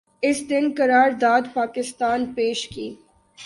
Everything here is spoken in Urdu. اس دن قرارداد پاکستان پیش کی